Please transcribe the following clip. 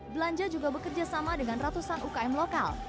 belanja juga bekerja sama dengan ratusan ukm lokal